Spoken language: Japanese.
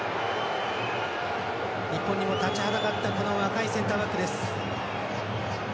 日本にも立ちはだかった若いセンターバックです。